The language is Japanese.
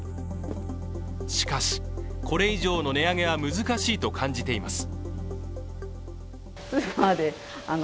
しかし、これ以上の値上げは難しいと感じています。